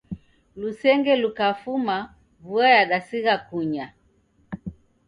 Lusenge lukafuma vua yadasigha kunya